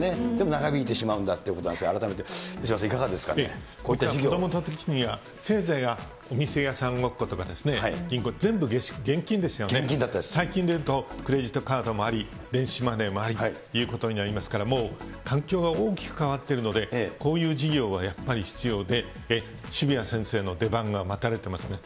長引いてしまうだということなんですが、改めて手嶋さん、いかがもともと私たちは、せいぜいお店屋さんごっことか、全部現金ですよね、最近でいうとクレジットカードもあり、電子マネーもありということになりますから、もう環境が大きく変わっているので、こういう授業はやっぱり必要で、渋谷先生の出番が待たれてますね。